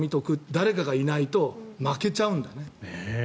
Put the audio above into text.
誰かがいないと負けちゃうんだよね。